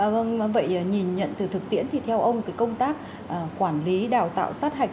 vâng vậy nhìn nhận từ thực tiễn thì theo ông công tác quản lý đào tạo sát hạch